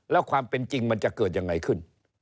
แล้วความเป็นจริงมันจะเกิดยังไงขึ้น